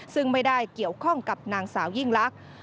ซึ่งไม่ได้เกี่ยวข้องกับนางสาวยิ่งลักษณ์